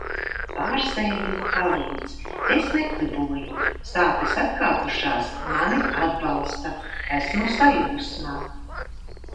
Pārsēji palīdz, es nekliboju. Sāpes atkāpušās. Mani atbalsta. Esmu sajūsmā.